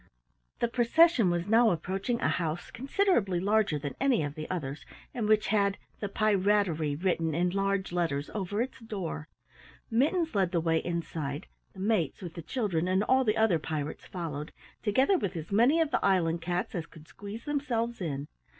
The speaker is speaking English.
The procession was now approaching a house considerably larger than any of the others and which had "The Pirattery" written in large letters over its door. Mittens led the way inside, the mates with the children and all the other pirates followed, together with as many of the island cats as could squeeze themselves in.